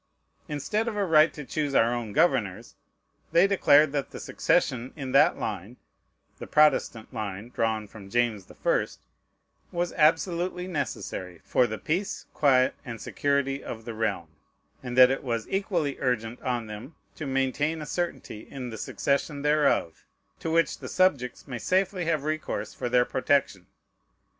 Instead of a right to choose our own governors, they declared that the succession in that line (the Protestant line drawn from James the First) was absolutely necessary "for the peace, quiet, and security of the realm," and that it was equally urgent on them "to maintain a certainty in the succession thereof, to which the subjects may safely have recourse for their protection."